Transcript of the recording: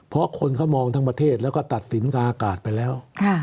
เพราะคนเขามองทั้งประเทศแล้วก็ตัดสินทางอากาศไปแล้ว